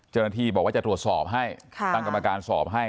เจ้าหน้าที่บอกว่าจะตรวจสอบให้ตั้งกรรมการสอบให้